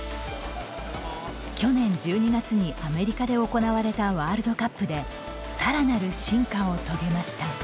去年１２月に、アメリカで行われたワールドカップでさらなる進化を遂げました。